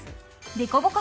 デコボコ